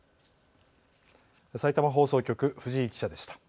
さいたま放送局、藤井記者でした。